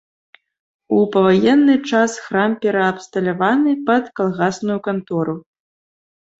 У паваенны час храм пераабсталяваны пад калгасную кантору.